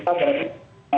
saya akan mengatakan